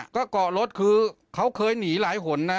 ก็เกาะรถคือเขาเคยหนีหลายหนนะ